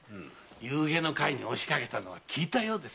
夕餉の会に押しかけたのが効いたようですな。